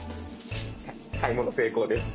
買い物成功です。